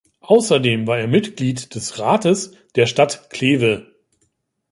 Außerdem war er Mitglied des Rates der Stadt Kleve.